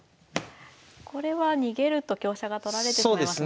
これは逃げると香車が取られてしまいますね。